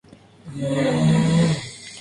En Perú se le llama cóctel de camarones.